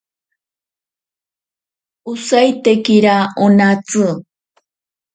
Osaitekira onatsi.